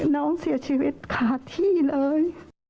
น้องเสียชีวิตขาดที่เลย